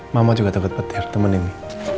mama juga takut petir teman ini